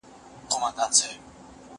زه پرون د لوبو لپاره وخت نيولی!.